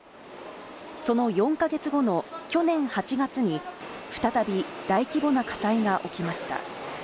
その４か月後の去年８月に、再び大規模な火災が起きました。